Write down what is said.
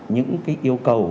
những cái yêu cầu